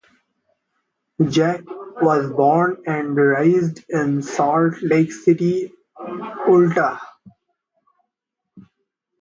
Zach was born and raised in Salt Lake City, Utah.